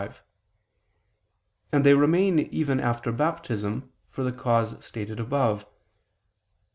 5); and they remain even after baptism, for the cause stated above (Q.